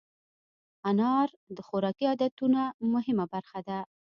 انار د خوراکي عادتونو مهمه برخه ده.